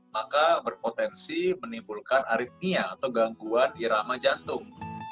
maka berpotensi menimbulkan aritmia atau gangguan irama jantung